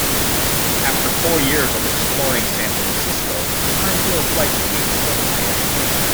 After four years of exploring San Francisco, the time feels right for me to further my education.